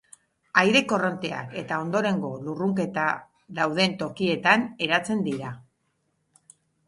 Aire korronteak eta ondorengo lurrunketa dauden tokietan eratzen dira.